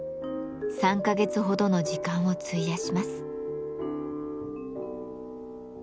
３か月ほどの時間を費やします。